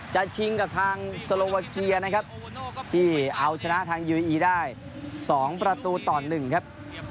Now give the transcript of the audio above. จะชิงกับทางสโลวาเคียร์นะครับที่เอาชนะทางยูยีได้สองปลาตูต่อนหนึ่งครับ